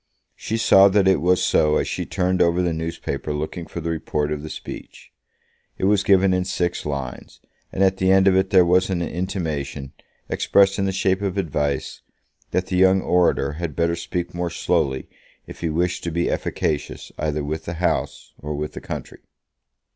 She saw that it was so as she turned over the newspaper looking for the report of the speech. It was given in six lines, and at the end of it there was an intimation, expressed in the shape of advice, that the young orator had better speak more slowly if he wished to be efficacious either with the House or with the country.